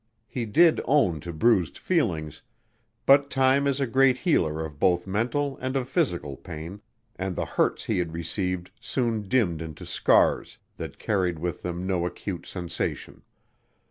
He did own to bruised feelings, but time is a great healer of both mental and of physical pain, and the hurts he had received soon dimmed into scars that carried with them no acute sensation.